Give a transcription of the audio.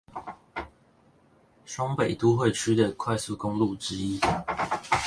雙北都會區的快速公路之一